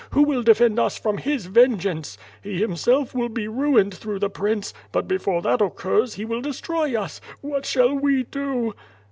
Who will defend us from his vengeance? He himself will be ruined through the prince, but before that occurs he will destroy us. What shall we do?"